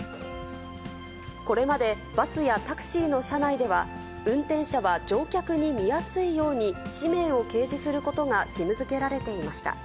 これまで、バスやタクシーの車内では、運転者は乗客に見やすいように氏名を掲示することが義務づけられていました。